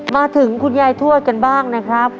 มาถึงคุณยายทวดกันบ้างนะครับ